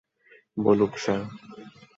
বলুক, স্যার।